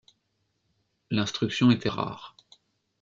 L’instruction était rare.